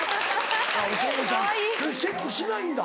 お父さんそれチェックしないんだ？